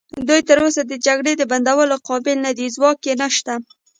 دوی تراوسه د جګړې د بندولو قابل نه دي، ځواک یې نشته.